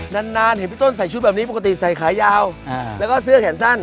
นานเห็นพี่ต้นใส่ชุดแบบนี้ปกติใส่ขายาวแล้วก็เสื้อแขนสั้น